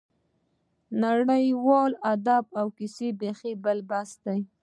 نړیوال ادب او کیسه بېخي بل بحث دی.